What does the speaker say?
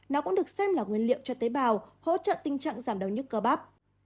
nó cũng được xem là nguyên liệu cho tế bào hỗ trợ tình trạng giảm đau nhức cơ bắp